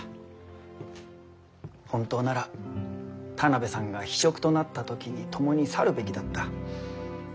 本当なら田邊さんが非職となった時に共に去るべきだった。